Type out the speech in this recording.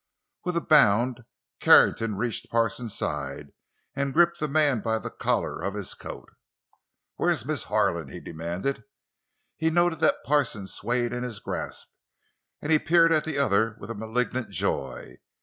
With a bound Carrington reached Parsons' side and gripped the man by the collar of his coat. "Where's Miss Harlan?" he demanded. He noted that Parsons swayed in his grasp, and he peered at the other with a malignant joy.